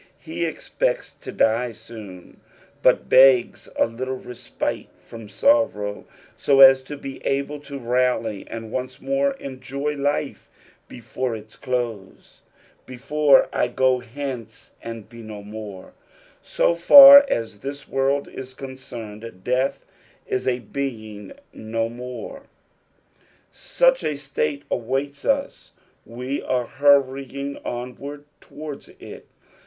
He expects to die soon, but begs a little TesiHt« from sorrow, so as to be able to rally an4 once more enjoy life before its etoae. "Byb's / go hence, and he no miww." So far as this world is concerned, death is a being no more ; auch a state awaits us, we are hurrying onward towards it.